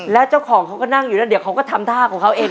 แล้วเจ้าของเขาก็นั่งอยู่แล้วเดี๋ยวเขาก็ทำท่าของเขาเอง